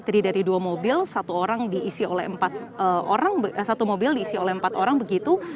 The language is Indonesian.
tadi dari dua mobil satu mobil diisi oleh empat orang begitu